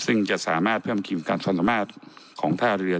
ซึ่งจะสามารถเพิ่มทีมการสนสามารถของท่าเรือ